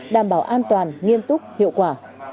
đảm bảo an toàn nghiêm túc hiệu quả